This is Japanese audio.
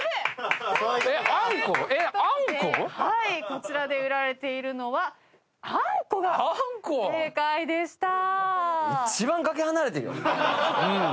こちらで売られているのはあんこが正解でした。